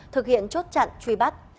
thực hiện chốt chặn truy bắt